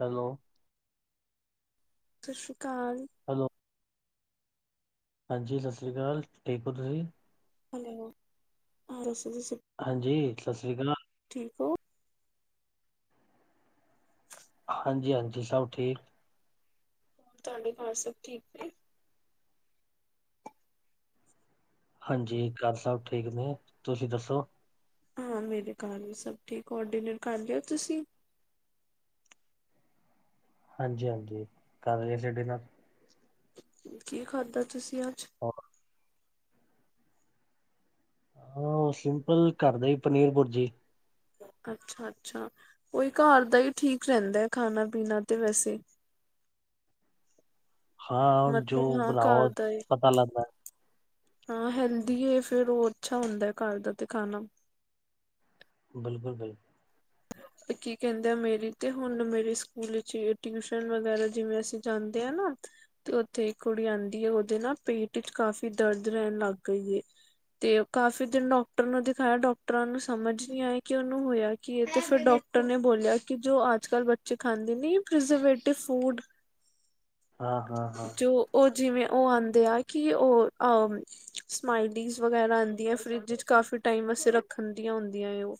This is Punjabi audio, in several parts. ਹੈਲੋ। ਸ਼ਸ਼ੀ ਕਾਲ। ਹੈਲੋ। ਹਾਂਜੀ ਸਸਰੀ ਕਾਲ ਠੀਕ ਓ ਤੁਸੀ। ਹੈਲੋ, ਹਾਂਜੀ ਤੁਸੀ ਹਾਂਜੀ ਸਸਰੀ ਕਾ ਠੀਕ ਓ ਹਾਂਜੀ-ਹਾਂਜੀ ਸੱਬ ਠੀਕ। ਤੁਆਡੇ ਘਾੱਰ ਸੱਬ ਠੀਕ ਨੇ। ਹਾਂਜੀ ਘਾੱਰ ਸੱਬ ਠੀਕ ਨੇ, ਤੁਸੀ ਦੱਸੋ‌। ਹਾਂ ਮੇਰੇ ਘਾੱਰ ਵੀ ਸੱਬ ਠੀਕ ਔਰ ਡੀਨੇਰ ਕਰ ਲੇਆ ਤੁਸੀ। ਹਾਂਜੀ-ਹਾਂਜੀ, ਕਰ ਲੇਆ ਸੀ ਡੀਨਰ। ਕੀ ਖਾਦਾ ਤੁਸੀ ਆੱਜ। ਹੋ ਹਾਂ ਓ ਸਿੰਪਲ ਘਾੱਰ ਦਾ ਈ ਪਨੀਰ ਪੁਰਜੀ। ਅੱਛਾ-ਅੱਛਾ। ਓਈ ਘਾੱਰ ਦਾ ਈ ਠੀਕ ਰੈਂਦੈ ਖਾਨਾ-ਪੀਨਾ ਤੇ ਵੈਸੇ। ਹਾਂ ਜੋ ਮਤਲਬ ਹਾਂ ਬਨਾਓ, ਘਰ ਦਾ ਏ ਪਤਾ ਲਾੱਗਦੈ। ਹਾਂ ਹੈਲਦੀ ਏ ਫੇਰ ਓ ਅੱਛਾ ਓਂਦੈ ਘਾੱਰ ਦਾ ਤੇ ਖਾਨਾ ਬਿਲਕੁਲ ਬਿਲ ਤੇ ਕੀ ਕੈਂਦੇ ਆ ਮੇਰੀ ਤੇ ਹੁਨ ਮੇਰੀ ਸਕੂਲ ਇਚ ਟਿਯੂਸ਼ਨ ਵਗੈਰਾ ਜਿਵੇਂ ਅਸੀਂ ਜਾਂਦੇ ਆ ਨਾ ਤੇ ਓਥੇ ਇੱਕ ਕੁੜੀ ਆਂਦੀ ਏ ਓਦੇ ਨਾ ਪੇਟ ਇਚ ਕਾਫੀ ਦਰਦ ਰੈਨ ਲੱਗ ਗਈ ਤੇ ਓ ਕਾਫੀ ਦਿਨ ਡੋਕਟਰ ਨੂੰ ਦਿਖਾਏਆ ਡੋਕਟਰਾਂ ਨੂੰ ਸਮਜ ਨੀ ਆਈ ਕਿ ਉਨੂੰ ਹੋਏਆ ਕੀ ਏ। ਤੇ ਫੇਰ ਡੋਕਟਰ ਨੇ ਬੋਲੇਆ ਕਿ ਜੋ ਆੱਜ-ਕਾੱਲ ਬੱਚੇ ਖਾਂਦੇ ਨੀ ਏ ਪੀਜਰਵੇਟਿਵ ਫੂਡ ਹਾਂ ਹਾਂ ਹਾਂ ਜੋ ਓ ਜਿਵੇ ਓ ਆਂਦੇ ਆ ਕਿ ਓ ਆ ਓ ਸਮਾਈਲੀਜ਼ ਵਗੈਰਾ ਆਂਦੀਐ ਫਰਿੱਜ ਇਚ ਕਾਫ਼ੀ ਟਾਈਮ ਵੱਸੇ ਰੱਖਨ ਦੀਆ ਓਂਦੀਐ ਓ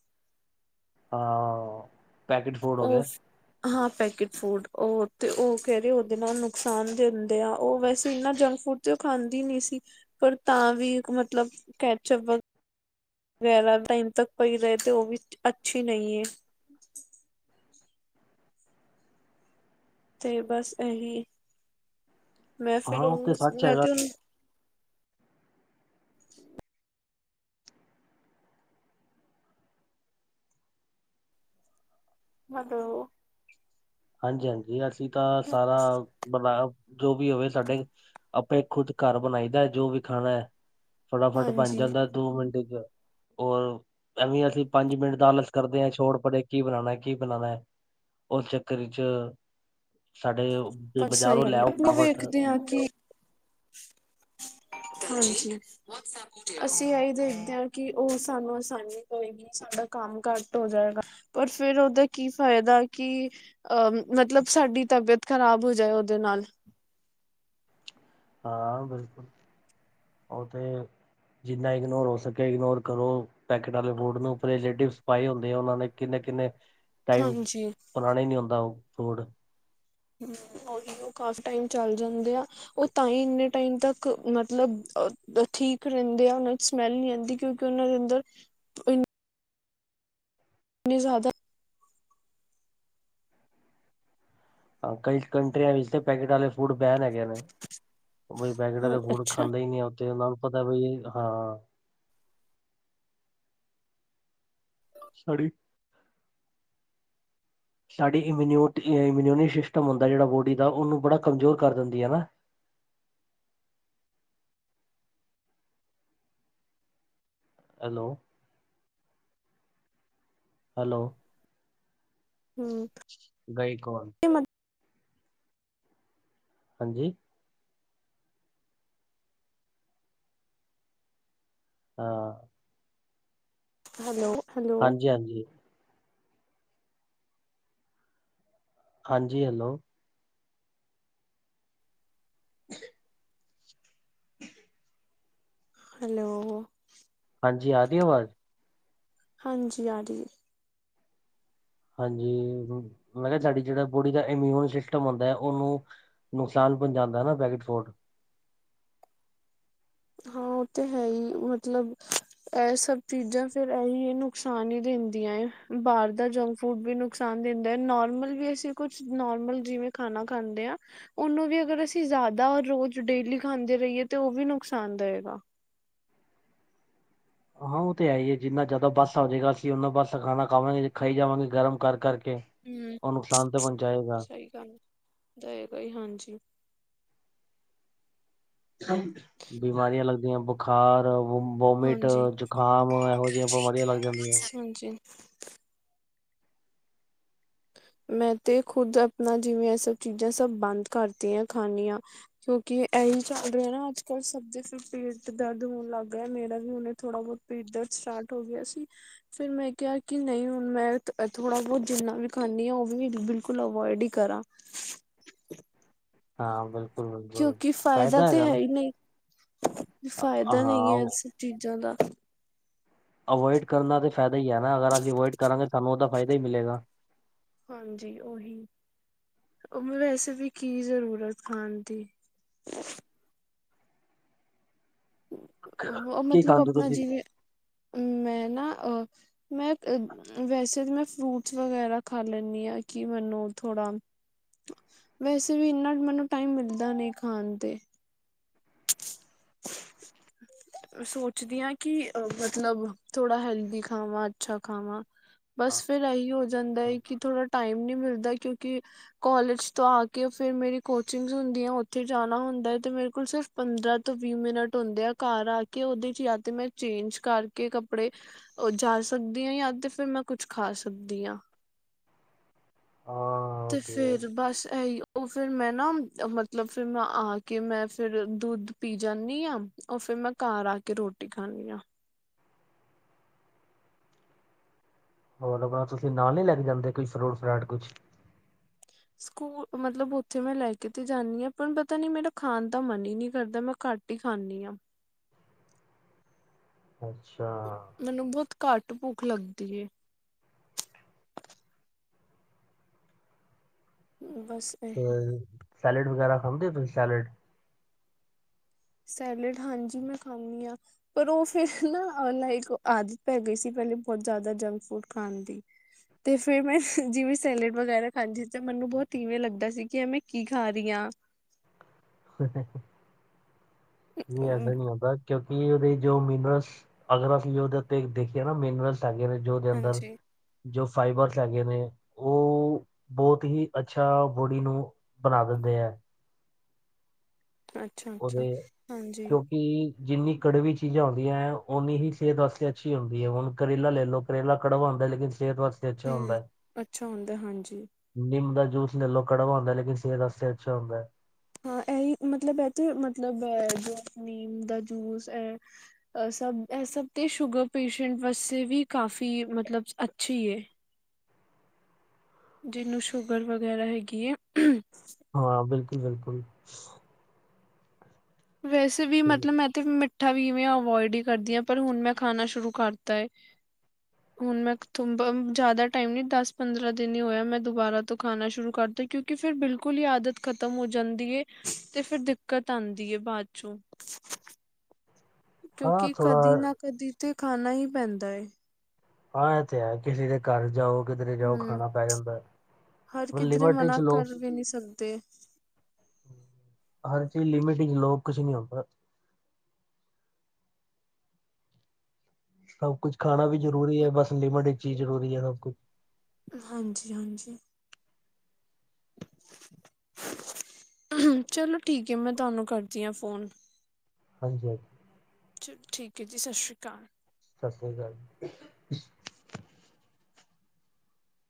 ਹਾਂ। ਪੈਕੇਟ ਫੂਡ ਹੋ ਓ ਗਿਆ ਫ ਹਾਂ ਪੈਕੇਟ ਫੂਡ ਓ ਤੇ ਓ ਕੈ ਰੇ ਓਦੇ ਨਾਲ ਨੁਕਸਾਨ ਦਿੰਦੇ ਆ ਓ ਵੈਸੇ ਇਨਾਂ ਜੰਕ ਫੂਡ ਤੇ ਓ ਖਾਂਦੀ ਨੀ ਸੀ, ਪਰ ਤਾ ਵੀ ਮਤਲਬ ਕੈਚਅਪ ਵ ਗੈਰਾ ਟਾਈਮ ਤੱਕ ਪਈ ਰਏ ਤੇ ਓ ਵੀ ਅੱਛੀ ਨਈ ਏ ਤੇ ਬਾੱਸ ਐਹੀ, ਮੈਂ ਫੇਰ ਹਾਂ ਉਹ ਤੇ ਓਨੂੰ ਸੱਚ ਮੈਂ ਹੈਗਾ ਤੇ ਓਨੂੰ ਹੈਲੋ। ਹਾਂਜੀ-ਹਾਂਜੀ ਅਸੀ ਤਾਂ ਸਾਰਾ ਬਨਾਯਾ ਜੋ ਵੀ ਓਵੇ ਸਾਡੇ, ਆਪੇ ਖੁੱਦ ਘਾੱਰ ਬਨਾਈ ਦੈ ਜੋ ਵੀ ਖਾਣੈ ਫਟਾਫਟ ਬੱਨ ਹਾਂਜੀ ਜਾਂਦੈ ਦੋ ਮਿੰਟ ਏਚ ਔਰ, ਐਵੇ ਈ ਅਸੀ ਪੰਜ ਮਿੰਟ ਦਾ ਆਲਸ ਕਰਦੇ ਆ ਛੋੜ ਪੜੇ ਕੀ ਬਨਾਣੈ ਕੀ ਬਨਾਨੈ। ਉਸ ਚੱਕਰ ਚ ਸਾਡੇ ਪਰ ਸਹੀ ਬਾਜ਼ਾਰੋਂ ਗੱਲ ਲੈ ਹੈ ਆਪਾਂ ਵੇਖਦੇ ਹਾਂ [unintelligible] ਕਿ ਹਾਂਜੀ ਅਸੀਂ ਇਹੀ ਦੇਖਦੇ ਹਾਂ ਕਿ ਉਹ ਸਾਨੂੰ ਆਸਾਨੀ ਕੋਈ ਵੀ ਸਾਡਾ ਘੱਟ ਹੋ ਜਾਏਗਾ, ਪਰ ਫ਼ਿਰ ਉਹਦਾ ਕੀ ਫਾਇਦਾ ਕੀ ਅਹ ਮਤਲਬ ਸਾਡੀ ਤਬੀਅਤ ਖ਼ਰਾਬ ਹੋ ਜਾਏ ਉਹਦੇ ਨਾਲ ਹਾਂ ਬਿਲਕੁਲ ਉਹ ਤੇ ਜਿੰਨਾ ਇਗਨੋਰ ਹੋ ਸਕੇ ਇਗਨੋਰ ਕਰੋ। ਪੈਕੇਟ ਵਾਲੇ ਫੂਡ ਨੂੰ ਫਰੀਜੈਡੀਸ ਪਾਏ ਹੁੰਦੇ ਐ। ਉਹ ਨੇ ਕਿੰਨੇ ਕਿੰਨੇ ਤਾਈ ਹਾਂਜੀ ਪੁਰਾਣਾ ਨਈ ਹੁੰਦਾ ਫੂਡ। ਹ ਉਹ ਇਵੇ ਕਾਫੀ ਟਾਈਮ ਚੱਲ ਜਾਂਦੇ ਆ ਉਹ ਤਾਂ ਹੀ ਇੰਨੇ ਟਾਈਮ ਤੱਕ ਮਤਲਬ ਠੀਕ ਰਹਿੰਦੇ ਆ। ਉਹਨਾਂ ਚ ਸਮੈਲ ਨਈ ਆਉਂਦੀ ਕਿਉਂਕਿ ਉਹਨਾਂ ਦੇ ਅੰਦਰ ਇਨੀ ਜ਼ਿਆਦਾ ਅ ਕਈ ਕੰਟਰੀਆ ਵਿੱਚ ਤੇ ਪੈਕੇਟ ਵਾਲੇ ਫੂਡ ਬੈਨ ਹੈਗੇ ਨੇ ਬਈ ਪੈਕਟ ਹਾਂ ਵਾਲੇ ਫੂਡ ਅੱਛਾ ਖਾਂਦਾ ਈ ਨਈ ਉੱਥੇ ਉਹਨਾਂ ਨੂੰ ਪਤਾ ਬਈ ਹਾਂ ਸਰੀ ਸਾਡੀ ਇਮਿਊ, ਇਮਿਊਨਿਟੀ ਸਿਸਟਮ ਹੁੰਦਾ। ਜਿਹੜਾ ਬੋਡੀ ਦਾ ਉਹਨੂੰ ਬੜਾ ਕਮਜ਼ੋਰ ਕਰ ਦਿੰਦੀ ਹੈ ਨਾ ਹੈਲੋ। ਹੈਲੋ। ਹੂੰ ਗਈ ਕੋਲ ਹਾਂਜੀ। ਹਾਂ। ਹੈਲੋ-ਹੈਲੋ। ਕੈਜੀ। ਹਾਂਜੀ ਹੈਲੋ। [inaudible] ਹੈਲੋ। ਹਾਂਜੀ ਆ ਗਈ ਆਵਾਜ਼? ਹਾਂਜੀ ਆਦੀ ਐ। ਹਾਂਜੀ ਮੈ ਕਿਹਾ ਸਾਡੀ ਜਿਹੜਾ ਬੋਡੀ ਦਾ ਇਮਿਊਨ ਸਿਸਟਮ ਹੁੰਦਾ ਐ। ਉਹਨੂੰ ਨੁਕਸਾਨ ਪੁੰਚਾਉਦਾ ਨਾ ਪੈਕਟ ਫੂਡ ਹਾਂ ਉਹ ਤੇ ਹੈ ਹੀ ਮਤਲਬ ਇਹ ਸਭ ਚੀਜ਼ਾਂ ਫਿਰ ਇਹੀ ਨੁਕਸਾਨ ਹੀ ਦਿੰਦੀਆ ਬਾਹਰ ਦਾ ਜੰਕ ਫੂਡ ਵੀ ਨੁਕਸਾਨ ਦਿੰਦਾ ਐ। ਨੋਰਮਲ ਵੀ ਅਸੀਂ ਕੁਛ ਨੋਰਮਲ ਜਿਵੇਂ ਖਾਣਾ ਖਾਂਦੇ ਆ ਉਹਨੂੰ ਵੀ ਅਗਰ ਅਸੀਂ ਜ਼ਿਆਦਾ ਰੋਜ਼ ਡੇਲੀ ਖਾਂਦੇ ਰਹੀਏ ਤਾਂ ਉਹ ਵੀ ਨੁਕਸਾਨ ਦੇਗਾ। ਹਾਂ ਉਹ ਤੇ ਹੈ ਹੀ ਹੈ ਜਿੰਨਾ ਜਿਆਦਾ ਬੱਸ ਆਜੇ ਗਾ ਅਸੀ ਉਹਨਾ ਬੱਸ ਖਾਣਾ ਖਾਵਾਂਗੇ ਖਾਈ ਜਾਵਾਂਗੇ ਗਰਮ ਕਰ ਕਰਕੇ ਉਹ ਨੁਕਸਾਨ ਤਾਂ ਪਹੁੰਚਾਏਗਾ ਹੂੰ ਦੇਗਾ ਈ ਹਾਂਜੀ। ਬਿਮਾਰੀਆਂ ਲੱਗਦੀਆਂ ਬੁਖਾਰ ਵੁ ਵੋਮਿਟ, ਹਾਂਜੀ ਜੁਕਾਮ ਇਹੋ ਜਿਹੀਆ ਬਿਮਾਰੀਆ ਲੱਗ ਜਾਂਦੀਆਂ। ਹਾਂਜੀ ਮੈਂ ਤੇ ਖੁਦ ਆਪਣਾ ਜਿਵੇਂ ਇਹ ਸਭ ਚੀਜ਼ਾਂ ਸਭ ਬੰਦ ਕਰਤੀਆਂ ਖਾਣੀਆਂ ਕਿਉਂਕਿ ਐਹੀ ਚੱਲ ਰਿਹਾ ਨਾ ਅੱਜ-ਕੱਲ ਸਬ ਦੇ ਫਿਰ ਪੇਟ ਚ ਦਰਦ ਹੋਣ ਲੱਗ ਗਿਆ ਮੇਰਾ ਵੀ ਹੁਨੇ ਥੋੜ੍ਹਾ ਬੋਤ ਪੇਟ ਦਰਦ ਸਟਾਟ ਹੋ ਗਿਆ ਸੀ, ਫੇਰ ਮੈਂ ਕਿਹਾ ਕਿ ਨਈ ਹੁਣ ਮੈਂ ਥੋੜਾ ਬੋਤ ਜਿੰਨਾ ਵੀ ਖਾਂਣੀ ਆ ਉਹ ਵੀ ਬਿਲਕੁਲ ਅਵੋਇਡ ਈ ਕਰਾਂ। ਹਾਂ ਬਿਲਕੁਲ-ਬਿਲਕੁਲ ਕਿਉਂਕਿ ਫਾਇਦਾ ਹੈਗਾ ਨਾ। ਅ- ਫ਼ਾਏਦਾ ਨਈ ਹਾਂ ਐਸ ਚੀਜ਼ਾਂ ਦਾ ਅਵੋਏਡ ਕਰਨਾ ਤੇ ਫਾਏਦਾ ਈ ਐ ਨਾ, ਅਗਰ ਅਸੀ ਅਵੋਏਡ ਕਰਾਂਗੇ ਸਾਨੂੰ ਉਦਾ ਫਾਏਦਾ ਈ ਮਿਲੇਗਾ। ਹਾਂਜੀ, ਓਹੀ। ਓ ਮੈ ਵੈਸੇ ਵੀ ਕੀ ਜ਼ਰੂਰਤ ਖਾਨ ਦੀ। ਓ ਕੀ ਮਤਲਬ ਖਾਂਦੇ ਆਪਨਾ ਤੁਸੀਂ ਜਿਵੇਂ, ਮੈਂ ਨਾ ਅ ਮੈਂ ਵੈਸੇ ਵੀ ਮੈਂ ਫਰੂਟਸ ਵਗੈਰਾ ਖਾ ਲੈਂਨੀ ਆਂ ਕਿ ਮੈਨੂੰ ਥੋੜਾ ਵੈਸੇ ਵੀ ਇੰਨਾ ਮੈਨੂੰ ਟਾਈਮ ਮਿਲਦਾ ਨੀ ਖਾਨ ਤੇ [inaudible] ਸੋਚਦੀ ਆਂ ਕਿ ਅ ਮਤਲਬ ਥੋੜਾ ਹੈਲਦੀ ਖਾਵਾਂ, ਅੱਛਾ ਖਾਵਾਂ। ਹਾਂ ਬਸ ਫੇਰ ਐਈ ਹੋ ਜਾਂਦੈ ਕਿ ਥੋੜਾ ਟਾਈਮ ਨੀ ਮਿਲਦਾ ਕਿਉਕਿ ਕੋਲਜ ਤੋਂ ਆ ਕੇ ਫੇਰ ਮੇਰੀ ਕੋਚਿੰਗਸ ਹੁੰਦੀਆਂ ਓੱਥੇ ਜਾਨਾ ਹੁੰਦੈ, ਤੇ ਮੇਰੇ ਕੋਲ ਸਿਰਫ ਪੰਦਰਾਂ ਤੋਂ ਵੀ ਮਿੰਟ ਹੁੰਦੇ ਆ ਘਾਰ ਆ ਕੇ ਉਦੇ ਚ, ਤੇ ਮੈਂ ਚੇਂਜ ਕਾਰਕੇ ਕੱਪੜੇ ਓ ਜਾ ਸਕਦੀ ਆਂ ਯਾ ਤੇ ਫਿਰ ਮੈਂ ਕੁਛ ਖਾ ਸਕਦੀ ਆਂ। ਹਾਂ। ਤੇ ਫੇਰ ਬਾੱਸ ਐਹੀ ਓ ਫਿਰ ਮੈਂ ਨਾ ਮਤਲਬ ਫਿਰ ਮੈਂ ਆ ਕੇ, ਮੈਂ ਫਿਰ ਦੁੱਧ ਪੀ ਜਾਂਨੀ ਆਂ, ਓ ਫਿਰ ਮੈਂ ਘਾਰ ਆ ਕੇ ਰੋਟੀ ਖਾਨੀ ਆਂ। ਹੋਰ ਵਾ ਤੁਸੀ ਨਾਲ ਨੀ ਲੈਕੇ ਜਾਂਦੇ ਕੋਈ ਫਰੂਟ-ਫਰਾਟ ਕੁਛ ਸਕੂਲ ਓ ਮਤਲਬ ਓੱਥੇ ਮੈਂ ਲੈਕੇ ਤੇ ਜਾਂਨੀ ਆਂ ਪਰ ਪਤਾ ਨੀ ਮੇਰਾ ਖਾਨ ਦਾ ਮਨ ਈ ਨੀ ਕਰਦਾ, ਮੈਂ ਘੱਟ ਘੱਟ ਈ ਖਾਨੀ ਆਂ। ਅੱਛਾ। ਮਨੂੰ ਬੋਤ ਘੱਟ ਭੁੱਖ ਲੱਗਦੀ ਏ। ਬਾੱਸ। ਫੇਰ ਸੈਲਡ ਵਗੈਰਾ ਖਾਂਦੇ ਓ ਤੁਸੀ ਸ਼ੈਲਡ ਸੈਲਡ ਹਾਂਜੀ, ਮੈਂ ਖਾਨੀ ਆਂ। ਪਰ ਓ ਫੇਰ ਨਾ ਅ ਨਾ ਇੱਕ ਆਦਤ ਪੈ ਗਈ ਸੀ ਬੋਤਤ ਜਾਦਾ ਜੰਕ-ਫੂਡ ਖਾਨ ਦੀ। ਤੇ ਫੇਰ ਮੈਂ ਜਿਵੇਂ ਸੈਲਡ ਵਗੈਰਾ ਖਾਂਦੀ ਸੀ, ਮੈਨੂੰ ਬੋਤ ਇਵੇਂ ਲੱਗਦਾ ਸੀ ਕਿ ਏ ਮੈਂ ਕੀ ਖਾ ਰੀ ਆਂ। [inaudible] ਨਈ ਐਸਾ ਨੀ ਹੁੰਦਾ ਕਿਓਕਿ ਉਦੇ ਚ ਜੋ ਮਿਨਰਲਸ ਅਗਰ ਅਸੀ ਉਦੇ ਤੇ ਦੇਖੀਏ ਨਾ ਮਿਨਰਲਸ ਹੈਗੇ ਨੇ ਜੋ ਉਦੇ ਅੰਦਰ, ਹਾਂਜੀ, ਜੋ ਫਾਈਬਰਸ ਹੈਗੇ ਨੇ ਓ ਬੋਤ ਹੀ ਅੱਛਾ ਬੋਡੀ ਨੂੰ ਬਨਾ ਦਿੰਦੇ ਐ। ਅੱਛਾ-ਅੱਛਾ, ਹਾਂਜੀ। ਕਿ ਜਿੰਨੀ ਕੜਵੀ ਚੀਜ਼ਾਂ ਹੁੰਦੀਐਂ, ਓੱਨੀ ਹੀ ਸੇਤ ਵਾਸਤੇ ਅੱਛੀ ਹੁੰਦੀ ਐ, ਹੁਨ ਕਰੇਲਾ ਲੈ ਲੋ ਕਰੇਲਾ ਕੜਵਾ ਹੁੰਦੈ ਲੇਕਿਨ ਸੇਤ ਵਾਸ ਹੂੰ, ਅੱਛਾ ਹੁੰਦੈ, ਹਾਂਜੀ। ਨਿੰਮ ਦਾ ਜੂਸ ਲੈ ਲੋ ਕੜਵਾ ਹੁੰਦੈ ਲੇਕਿਨ ਸੇਤ ਆਸਤੇ ਅੱਛਾ ਹੁੰਦੈ। ਹਾਂ, ਐਈ ਮਤਲਬ ਐ ਤੇ ਮਤਲਬ ਜੋ ਨੀਮ ਦਾ ਜੂਸ ਐ ਅ ਸਬ ਐ ਸਬ ਤੇ ਸ਼ੂਗਰ ਪੇਸ਼ੈਂਟ ਵਾਸਤੇ ਵੀ ਕਾਫੀ ਏ ਮਤਲਬ ਅੱਛੀ ਏ। ਜਿਨੂੰ ਸ਼ੂਗਰ ਵਗੈਰਾ ਹੈਗੀ ਏ। ਹਾਂ, ਬਿਲਕੁਲ-ਬਿਲਕੁਲ। ਵੈਸੇ ਵੀ ਸੋ, ਮਤਲਬ ਮੈਂ ਤੇ ਮਿੱਠਾ ਵੀ ਅਵੋਏਡ ਈ ਕਰਦੀ ਆਂ ਪਰ ਹੁਨ ਮੈਂ ਖਾਨਾ ਸ਼ੁਰੂ ਕਾਰਤਾ ਏ। [inaudible] ਹੁਨ ਮੈਂ ਕਤੁਬਬ ਜਾਦਾ ਟਾਈਮ ਨੀ ਦੱਸ, ਪੰਦਰਾਂ ਦਿਨ ਈ ਹੋਏ ਆ। ਮੈਂ ਦੁਬਾਰਾ ਤੋਂ ਖਾਨਾ ਸ਼ੁਰੂ ਕਾਰਤਾ ਕਿਉਕਿ ਕੇ ਫੇਰ ਬਿਲਕੁਲ ਈ ਆਦਤ ਖ਼ਤਮ ਹੋ ਜਾਂਦੀ ਏ, ਤੇ ਫੇਰ ਦਿੱਕਤ ਆਂਦੀ। ਦੀ ਏ ਬਾਅਦ ਚੋਂ ਹਾਂ ਕਿਉਂਕਿ ਕਦੀ ਥੋੜਾ ਨਾ ਕਦੀ ਤੇ ਖਾਣਾ ਈ ਪੈਂਦਾ ਐ। ਹਾਂ ਇ ਤੇ ਹੈ ਕਿਸੇ ਦੇ ਘਰ ਜਾਓ, ਕਿਧਰੇ ਜਾਓ ਹੂੰ ਖਾਣਾ ਪੈ ਜਾਦਾ ਐ, ਹਰ ਵੀ ਕਿਧਰੇ ਲਿਮਟ ਚ ਮਨਾ ਲੋਓ। ਕਰ ਵੀ ਨੀ ਸਰਦੇ ਹਰ ਚੀਜ਼ ਲਿਮਿਟ ਚ ਲੋ ਕੁਛ ਨੀ ਹੁੰਦਾ। ਸਭ ਕੁਛ ਖਾਣਾ ਵੀ ਜ਼ਰੂਰੀ ਐ। ਬੱਸ ਲਿਮਿਟਿਡ ਵਿਚ ਜ਼ਰੂਰੀ ਐ। ਸਭ ਕੁਛ ਹਾਂਜੀ, ਹਾਂਜੀ। ਚਲੋ ਠੀਕ ਏ। ਮੈਂ ਤੁਹਾਨੂੰ ਕਰਦੀ ਆ ਫੋਨ। ਹਾਂਜੀ, ਹਾਂਜੀ। ਚਲੋ ਠੀਕ ਐ ਜੀ, ਸਸ ਸ਼੍ਰੀ ਕਾਲ। ਸਸ ਸ਼੍ਰੀ ਕਾਲ ਜੀ।